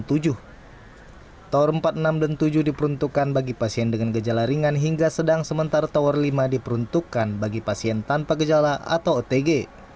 tower empat puluh enam dan tujuh diperuntukkan bagi pasien dengan gejala ringan hingga sedang sementara tower lima diperuntukkan bagi pasien tanpa gejala atau otg